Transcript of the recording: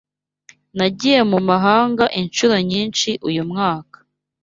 Nagiye mu mahanga inshuro nyinshi uyu mwaka.